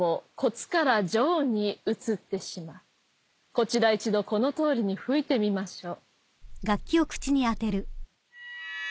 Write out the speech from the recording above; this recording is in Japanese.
「こちら一度このとおりに吹いてみましょう」